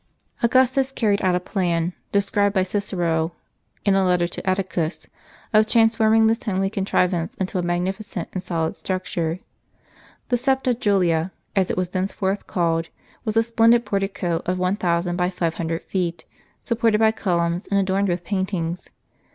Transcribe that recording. Augustus carried out a plan, described by Cicero in a letter to Atticus,t of transforming this homely contrivance into a magnificent and solid structure. The Septa Julia, as it was thenceforth called, was a splendid portico of 1000 by 500 feet, supported by columns, and adorned with paintings.